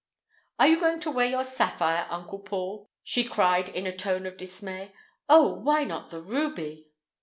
"Are you going to wear your sapphire, Uncle Paul!" she cried in a tone of dismay. "Oh, why not the ruby?"